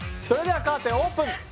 それではカーテンオープン。